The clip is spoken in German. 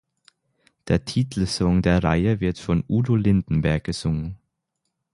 Der Titelsong der Reihe wird von Udo Lindenberg gesungen.